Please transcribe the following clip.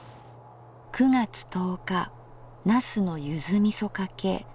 ９月１０日「茄子のゆづみそかけ」。